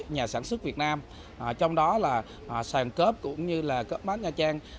hỗ trợ các nhà sản xuất việt nam trong đó là sàn cớp cũng như là cớp mát nha trang